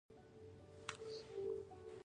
د نجونو تعلیم د ښځو رهبري وړتیا لوړولو مرسته ده.